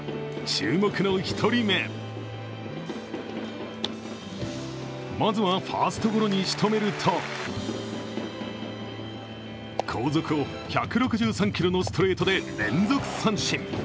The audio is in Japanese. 注目の１人目まずはファーストゴロにしとめると後続を１６３キロのストレートで連続三振。